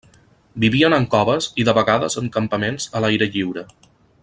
Vivien en coves i de vegades en campaments a l'aire lliure.